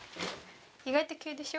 意外と急でしょ？